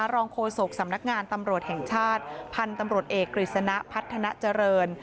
โฆษกสำนักงานตำรวจแห่งชาติพันธุ์ตำรวจเอกกฤษณะพัฒนาเจริญ